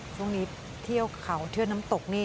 ช่วงนี้เที่ยวเขาเที่ยวน้ำตกนี่